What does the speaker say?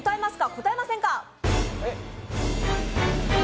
応えませんか？